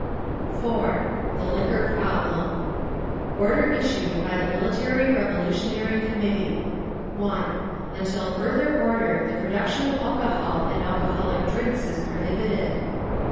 4. THE LIQUOR PROBLEM Order Issued by the Military Revolutonary Committee 1. Until further order the production of alcohol and alcoholic drinks is prohibited.